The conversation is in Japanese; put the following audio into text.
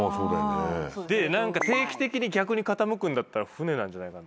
で何か定期的に逆に傾くんだったら船なんじゃないかな。